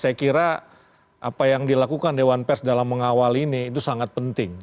saya kira apa yang dilakukan dewan pers dalam mengawal ini itu sangat penting